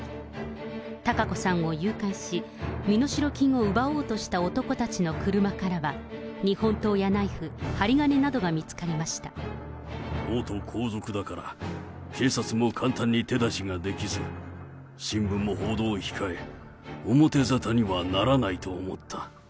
貴子さんを誘拐し、身代金を奪おうとした男たちの車からは、日本刀やナイフ、針金な元皇族だから、警察も簡単に手出しができず、新聞も報道を控え、表沙汰にはならないと思った。